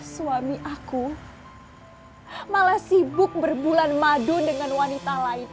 suami aku malah sibuk berbulan madu dengan wanita lain